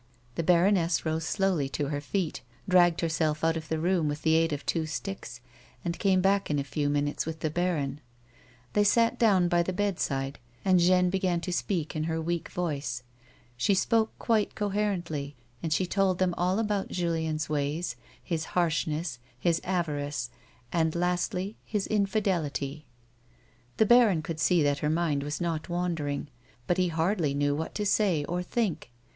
The baroness rose slowly to her feet, dragged herself out of the room with the aid of two sticks, and came back in a few minutes with the baron. They sat down by the bed side, and Jeanne began to speak in her weak voice. She spoke quite coherently, and she told them all about Julien's odd ways, his harshness, his avarice, and, lastly, his infidelity. The baron could see that her mind was not wandering, but he hardly knew what to say or think.